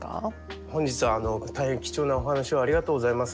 本日大変貴重なお話をありがとうございます。